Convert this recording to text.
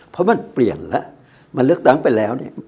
เพราะมันเปลี่ยนแล้วมันเลือกตั้งไปแล้วเนี่ย